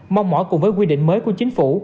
mong mỏi cùng với quy định mới của chính phủ